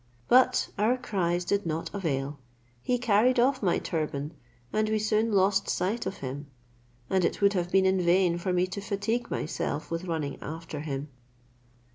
But our cries did not avail; he carried off my turban, and we soon lost sight of him, and it would have been in vain for me to fatigue myself with running after him.